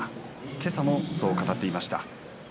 今朝もそう語っていました。